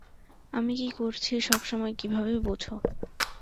আমি কী করছি সবসময় কীভাবে বোঝো?